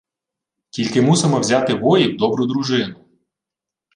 — Тільки мусимо взяти воїв добру дружину.